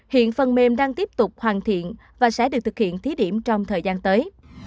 hiện phần mềm đang tiếp tục hoàn thiện và sẽ được thực hiện thí điểm trong thời gian tới